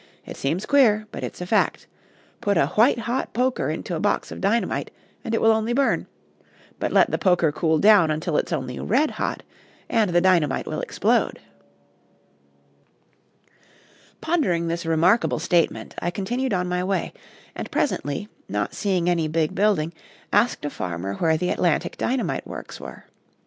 "It seems queer, but it's a fact. Put a white hot poker into a box of dynamite, and it will only burn; but let the poker cool down until it's only red hot and the dynamite will explode." [Illustration: "EVERYTHING WAS BLOWN TO PIECES."] Pondering this remarkable statement, I continued on my way, and presently, not seeing any big building, asked a farmer where the Atlantic Dynamite Works were.